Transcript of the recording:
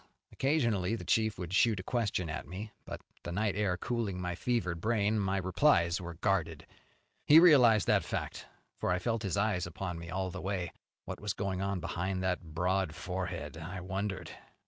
Occasionally the chief would shoot a question at me; but, the night air cooling my fevered brain, my replies were guarded. He realized that fact, for I felt his eyes upon me all the way. What was going on behind that broad forehead, I wondered.